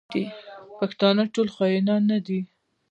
پښتانه ټول خاینان نه دي.